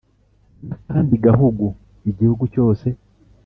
n’akandi gahugu, igihugu cyose